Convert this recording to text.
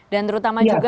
dan terutama juga